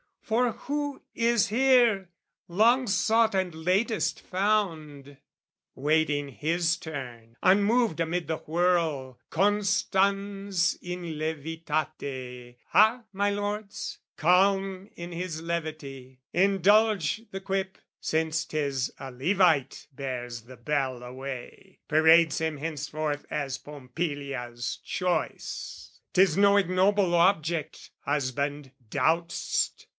For who is here, long sought and latest found, Waiting his turn unmoved amid the whirl, "Constans in levitate," Ha, my lords? Calm in his levity, indulge the quip! Since 'tis a levite bears the bell away, Parades him henceforth as Pompilia's choice. 'Tis no ignoble object, husband! Doubt'st?